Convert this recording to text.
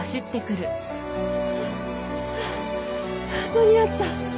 間に合った。